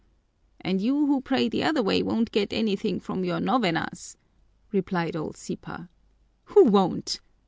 "And you who pray the other way won't get anything from your novenas," replied old Sipa. "Who won't?"